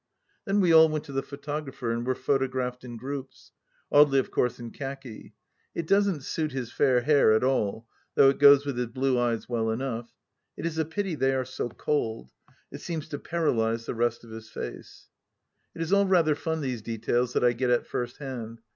Then we all went to the photographer and were photo graphed in groups. Audely of course in khaki. It doesn't suit his fair hair at all, though it goes with his blue eyes well enough. It is a pity they are so cold. It seems to paralyse the rest of his face. ... It is all rather fun, these details that I get at first hand.